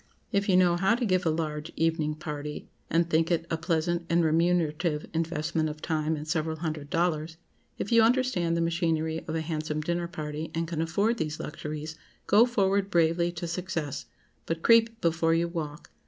If you know how to give a large evening party (and think it a pleasant and remunerative investment of time and several hundred dollars)—if you understand the machinery of a handsome dinner party, and can afford these luxuries, go forward bravely to success. But creep before you walk.